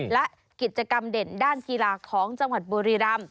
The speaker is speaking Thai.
และกิจกรรมเด่นด้านกีฬาของจังหวัดบุรีรำ